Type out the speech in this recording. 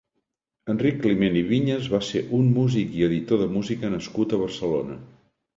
Enric Climent i Viñas va ser un músic i editor de música nascut a Barcelona.